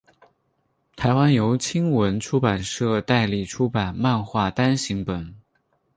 台湾由青文出版社代理出版漫画单行本。